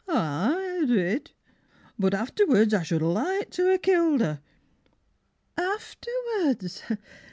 Ay, I did, but afterwards I should like to ha' killed her! Afterwards!